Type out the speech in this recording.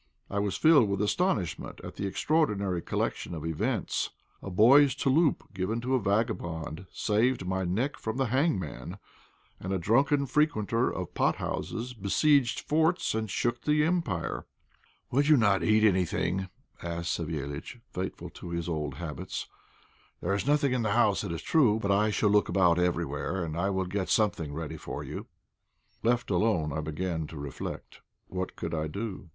I was filled with astonishment at the extraordinary connection of events. A boy's "touloup," given to a vagabond, saved my neck from the hangman, and a drunken frequenter of pothouses besieged forts and shook the Empire. "Will you not eat something?" asked Savéliitch, faithful to his old habits. "There is nothing in the house, it is true; but I shall look about everywhere, and I will get something ready for you." Left alone, I began to reflect. What could I do?